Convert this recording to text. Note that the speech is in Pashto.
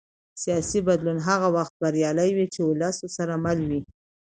سیاسي بدلون هغه وخت بریالی وي چې ولس ورسره مل وي